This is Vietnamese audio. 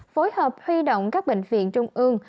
phối hợp huy động các bệnh viện trung ương